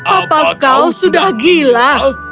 apa kau sudah gila